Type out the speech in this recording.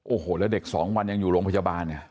โอ้โหแล้วเด็ก๒วันยังอยู่โรงพยาบาลเนี่ย